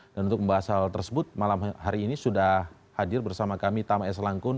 dan untuk membahas hal tersebut malam hari ini sudah hadir bersama kami tama s langkun